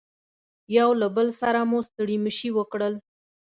یو له بل سره مو ستړي مشي وکړل.